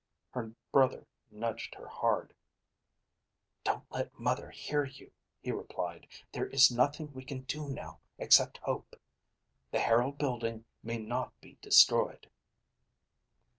Her brother nudged her hard. "Don't let Mother hear you," he replied. "There is nothing we can do now except hope. The Herald building may not be destroyed."